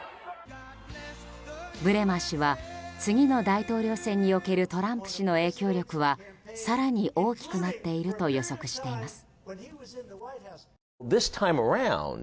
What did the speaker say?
ブレマー氏は次の大統領選におけるトランプ氏の影響力は更に大きくなっていると予測しています。